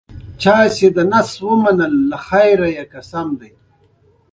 د هډوکي ماتیدل د تاوتریخوالي اندازه نه ښکاره کوي.